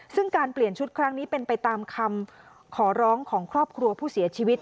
ซึ่งการเปลี่ยนชุดครั้งนี้เป็นไปตามคำขอร้องของครอบครัวผู้เสียชีวิต